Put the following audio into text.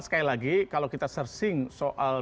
sekali lagi kalau kita sersing soal